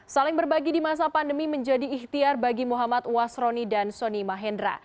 saling berbagi di masa pandemi menjadi ikhtiar bagi muhammad wasroni dan sony mahendra